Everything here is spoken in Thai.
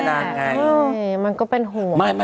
เฮ้ยมันก็เป็นห่วง